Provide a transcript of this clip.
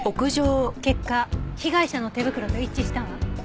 結果被害者の手袋と一致したわ。